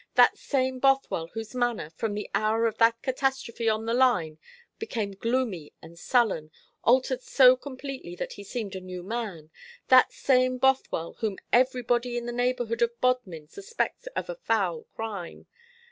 That same Bothwell, whose manner, from the hour of that catastrophe on the line, became gloomy and sullen altered so completely that he seemed a new man. That same Bothwell, whom everybody in the neighbourhood of Bodmin suspects of a foul crime.